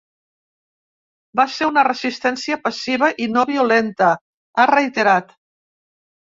Va ser una resistència passiva i no violenta, ha reiterat.